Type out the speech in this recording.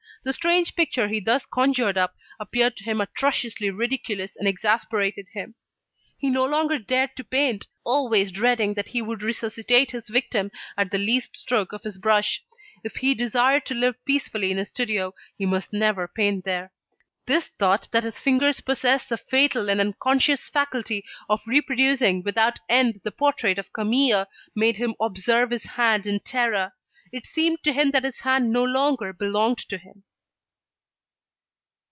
The strange picture he thus conjured up, appeared to him atrociously ridiculous and exasperated him. He no longer dared to paint, always dreading that he would resuscitate his victim at the least stroke of his brush. If he desired to live peacefully in his studio he must never paint there. This thought that his fingers possessed the fatal and unconscious faculty of reproducing without end the portrait of Camille, made him observe his hand in terror. It seemed to him that his hand no longer belonged to him.